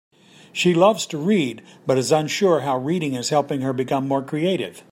She loves to read, but is unsure how reading is helping her become more creative.